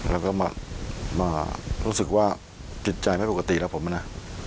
แล้วก็มารู้สึกว่าจิตใจไม่ปกติแล้วผมนะ